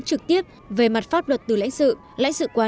trực tiếp về mặt pháp luật từ lãnh sự